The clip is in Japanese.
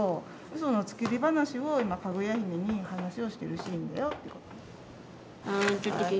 その作り話を今かぐや姫に話をしてるシーンだよってことね。